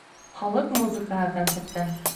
Халыҡ музыкаһы концерты